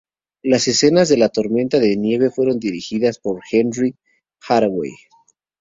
Las escenas de la tormenta de nieve fueron dirigidas por Henry Hathaway.